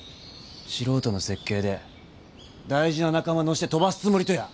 素人の設計で大事な仲間乗して飛ばすつもりとや？